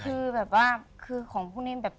คือแบบว่าคือของพวกนี้แบบ